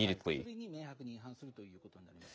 それに明白に違反するということになります。